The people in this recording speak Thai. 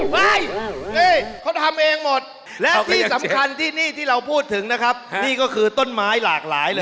ไม่นี่เขาทำเองหมดแล้วที่สำคัญที่นี่ที่เราพูดถึงนะครับนี่ก็คือต้นไม้หลากหลายเลย